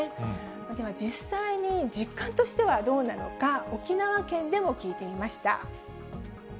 では実際に実感としてはどうなのか、沖縄県でも聞いてみました。